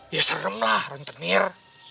ya seremlah rentenir